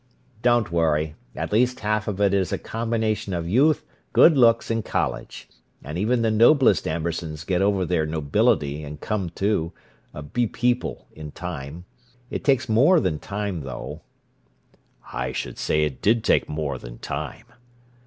"Don't worry! At least half of it is a combination of youth, good looks, and college; and even the noblest Ambersons get over their nobility and come to be people in time. It takes more than time, though." "I should say it did take more than time!"